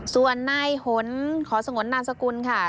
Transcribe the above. ส่วนนายหนขอสงวนนามสกุลค่ะ